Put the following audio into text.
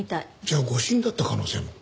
じゃあ誤審だった可能性も。